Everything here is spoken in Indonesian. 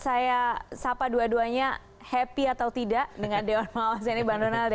saya sapa dua duanya happy atau tidak dengan dewan pengawas ini bang donald